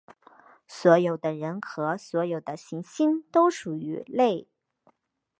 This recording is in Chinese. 所有的人和所有的行星都属于类。